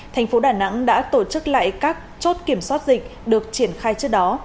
thành phố đà nẵng đã tổ chức lại các chốt kiểm soát dịch được triển khai trước đó